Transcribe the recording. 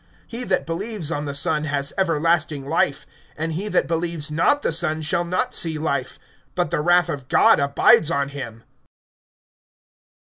(36)He that believes on the Son has everlasting life; and he that believes not the Son shall not see life, but the wrath of God abides on him.